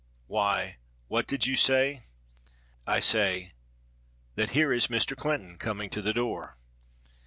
"Why, what did you say?" "I say that here is Mr. Clinton coming to the door."